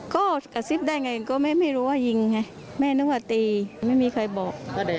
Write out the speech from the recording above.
ก็กระซิบได้ไงก็ไม่รู้ว่ายิงไงแม่นึกว่าตีไม่มีใครบอก